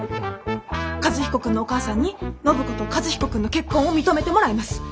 和彦君のお母さんに暢子と和彦君の結婚を認めてもらいます！